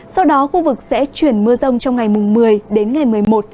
sau đó khu vực sẽ chuyển mưa rông trong ngày một mươi đến ngày một mươi một